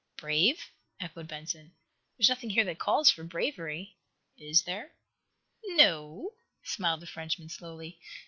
"Brave?" echoed Benson. "There's nothing here that calls for bravery, is there?" "No o o," smiled the Frenchman slowly.